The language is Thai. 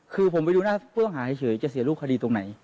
คือผมไปดูหน้าผู้ต้องหาเฉยจะเสียรูปคดีตรงไหน